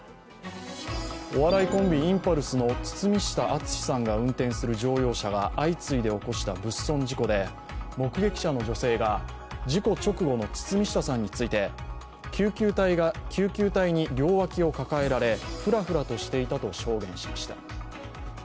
お笑いコンビ、インパルスの堤下敦さんが運転する乗用車が相次いで起こした物損事故で目撃者の女性が事故直後の堤下さんについて救急隊に両脇を抱えられ、フラフラとしていたと証言しました。